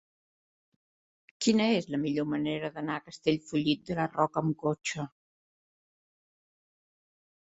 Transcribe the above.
Quina és la millor manera d'anar a Castellfollit de la Roca amb cotxe?